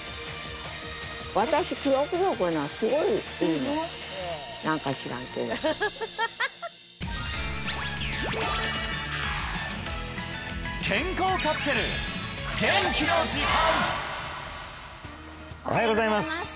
私おはようございます